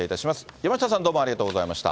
山下さん、ありがとうございました。